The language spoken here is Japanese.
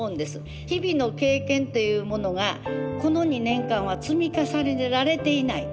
日々の経験というものがこの２年間は積み重ねられていない。